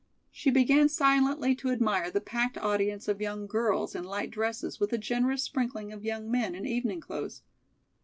She began silently to admire the packed audience of young girls in light dresses with a generous sprinkling of young men in evening clothes.